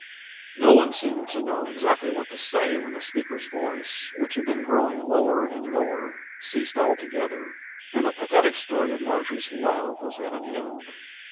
No one seemed to know exactly what to say when the speaker's voice, which had been growing lower and lower, ceased altogether, and the pathetic story of Marjory's love was at an end.